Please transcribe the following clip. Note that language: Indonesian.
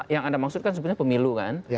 yang anda maksudkan sebetulnya pemilu kan